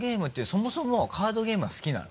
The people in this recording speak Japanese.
そもそもカードゲームは好きなの？